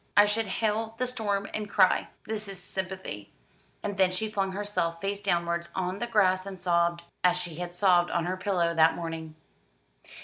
I should hail the storm, and cry, 'This is sympathy!'" And then she flung herself face downwards on the grass and sobbed, as she had sobbed on her pillow that morning.